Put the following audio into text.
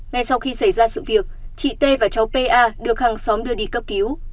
ngay sau khi xảy ra sự việc chị t và cháu pa được hàng xóm đưa đi cấp cứu